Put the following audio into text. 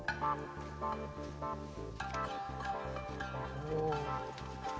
おお。